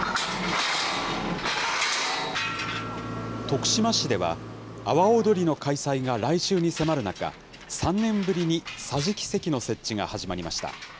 徳島市では、阿波おどりの開催が来週に迫る中、３年ぶりに桟敷席の設置が始まりました。